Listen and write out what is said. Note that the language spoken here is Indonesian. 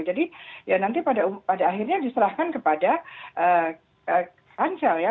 jadi ya nanti pada akhirnya diserahkan kepada ponsel ya